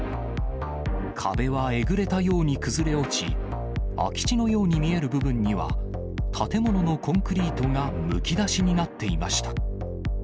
壁はえぐれたように崩れ落ち、空き地のように見える部分には、建物のコンクリートがむき出しになっていました。